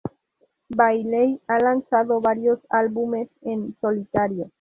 Bailey ha lanzado varios álbumes en solitario.